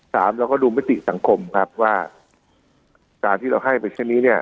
เราก็ดูมติสังคมครับว่าการที่เราให้ไปเช่นนี้เนี่ย